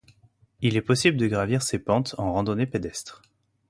Il est possible de gravir ses pentes en randonnée pédestre.